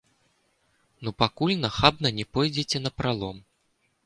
Ну, пакуль нахабна не пойдзеце напралом.